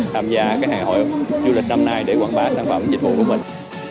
tham gia cái ngày hội du lịch năm nay để quảng bá sản phẩm dịch vụ của mình